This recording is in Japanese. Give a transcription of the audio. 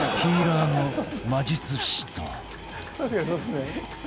「確かにそうですね」